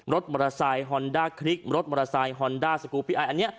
รถมอเตอร์ไซค์ฮอนด้าคลิกรถมอเตอร์ไซค์ฮอนด้าสกูปปี้ไออันนี้